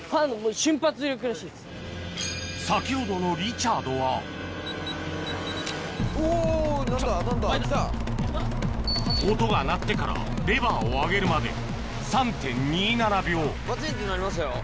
先ほどのリチャードは音が鳴ってからレバーを上げるまでバチンってなりましたよ。